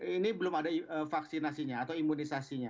ini belum ada vaksinasinya atau imunisasinya